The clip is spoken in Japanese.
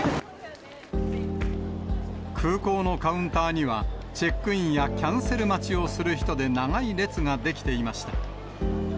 空港のカウンターには、チェックインやキャンセル待ちをする人で長い列が出来ていました。